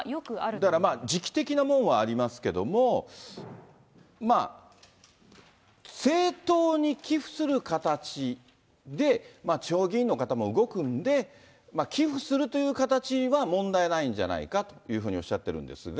だからまあ、時期的なもんはありますけども、政党に寄付する形で、地方議員の方も動くんで、寄付するという形は問題ないんじゃないかっていうふうにおっしゃってるんですが。